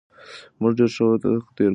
موږ ډېر ښه وخت تېر کړ.